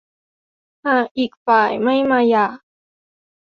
หากอีกฝ่ายไม่มาหย่า